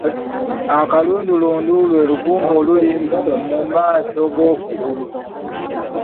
Akalundulundu lwe lugumba oluli mu maaso g’okugulu .